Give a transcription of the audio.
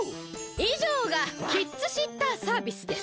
いじょうがキッズシッターサービスです。